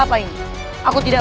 atas kerilangan allah